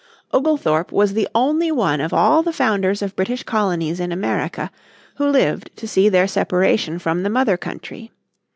Oglethorpe was the only one of all the founders of British colonies in America who lived to see their separation from the mother country.